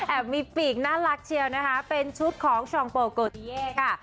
มีปีกน่ารักเชียวนะคะเป็นชุดของช่องโปรโกติเย่ค่ะ